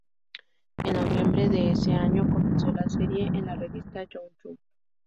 En noviembre de ese año, comenzó la serie en la revista Young Jump.